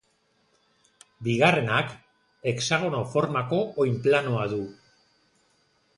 Bigarrenak, hexagono formako oinplanoa du.